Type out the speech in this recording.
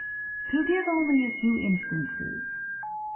To give only a few instances.